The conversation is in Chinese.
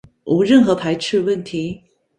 无任何排斥问题